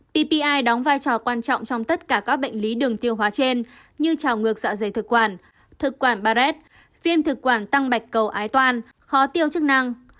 ppi đóng vai trò quan trọng trong tất cả các bệnh lý đường tiêu hóa trên như trào ngược dạ dày thực quản thực quản barred viêm thực quản tăng bạch cầu ái toàn khó tiêu chức năng